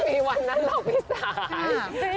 ไม่มีวันนั้นหรอกพี่สาย